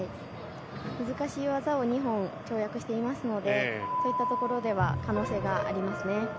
難しい技を２本跳躍していますのでそういったところでは可能性がありますね。